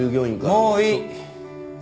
もういい。